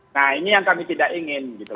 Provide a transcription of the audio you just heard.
nah ini yang kami tidak ingin gitu